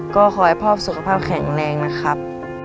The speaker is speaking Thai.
ก็ขอให้พ่อสุขภาพแข็งแรงนะครับ